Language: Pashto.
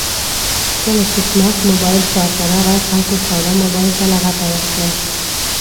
کله چې سمارټ مبایل ښار ته راغی خلکو ساده مبایل ته لغته ورکړه